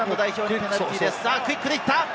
クイックで行った！